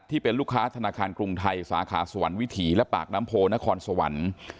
ที่เป็นลูกค้าธนาคารกรุงไทยสาขาสวรรค์วิถีและปากน้ำโพนครสวรรค์